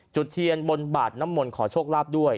จุดเทียนบนบาดน้ำมนต์ขอโชคลาภด้วย